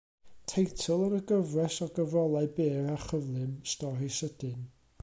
Teitl yn y gyfres o gyfrolau byr a chyflym Stori Sydyn.